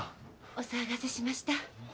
お騒がせしました。